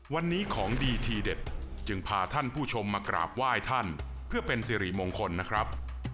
วันนี้ของดีทีเด็ดจึงพาท่านผู้ชมมากราบไหว้ท่านเพื่อเป็นสิริมงคลนะครับ